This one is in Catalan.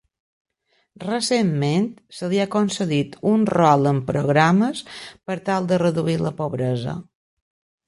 Recentment, se li ha concedit un rol en programes per tal de reduir la pobresa.